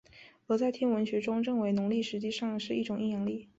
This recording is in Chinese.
而在天文学中认为农历实际上是一种阴阳历。